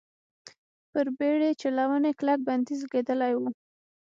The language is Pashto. پر بېړۍ چلونې کلک بندیز لګېدلی و.